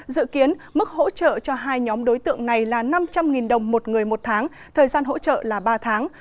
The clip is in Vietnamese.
dự kiến mức hỗ trợ cho hai nhóm đối tượng này là năm trăm linh đồng một người một tháng thời gian hỗ trợ là ba tháng